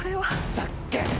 ざっけんな。